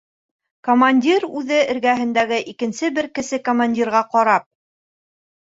Командир үҙе эргәһендәге икенсе бер кесе командирға ҡарап: